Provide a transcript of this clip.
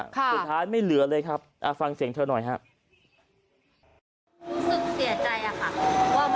สุดท้ายไม่เหลือเลยครับฟังเสียงเธอหน่อยครับ